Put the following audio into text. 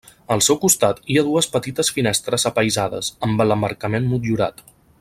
Al seu costat, hi ha dues petites finestres apaïsades, amb l'emmarcament motllurat.